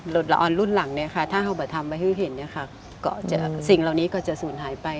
ละออนรุ่นหลังถ้าทำให้เห็นสิ่งเหล่านี้ก็จะสูญหายไป